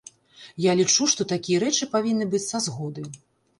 Я лічу, што такія рэчы павінны быць са згоды.